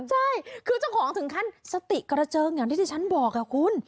ใช่คือเจ้าของถึงขั้นสติกระเจิงอย่างที่ที่ฉันบอกคุณ